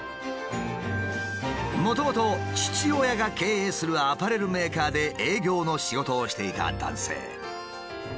もともと父親が経営するアパレルメーカーで営業の仕事をしていた男性。